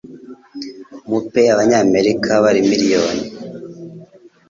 Mu pe Abanyamerika bari miliyoni